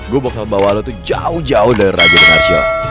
gua bakal bawa lu tuh jauh jauh dari raja dan arsila